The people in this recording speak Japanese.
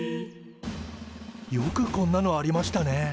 よくこんなのありましたね。